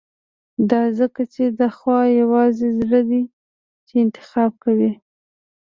دا ځکه چې دا خو يوازې زړه دی چې انتخاب کوي.